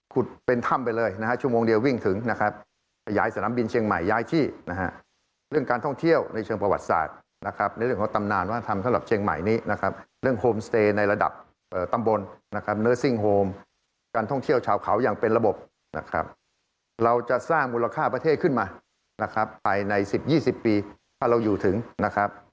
เป็นถ้ำไปเลยนะฮะชั่วโมงเดียววิ่งถึงนะครับขยายสนามบินเชียงใหม่ย้ายที่นะฮะเรื่องการท่องเที่ยวในเชิงประวัติศาสตร์นะครับในเรื่องของตำนานวัฒนธรรมสำหรับเชียงใหม่นี้นะครับเรื่องโฮมสเตย์ในระดับตำบลนะครับเนื้อซิ่งโฮมการท่องเที่ยวชาวเขาอย่างเป็นระบบนะครับเราจะสร้างมูลค่าประเทศขึ้นมานะครับภายใน๑๐๒๐ปีถ้าเราอยู่ถึงนะครับ